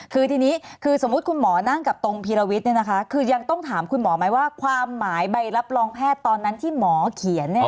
คือทีนี้คือสมมุติคุณหมอนั่งกับตรงพีรวิทย์คือยังต้องถามคุณหมอไหมว่าความหมายใบรับรองแพทย์ตอนนั้นที่หมอเขียน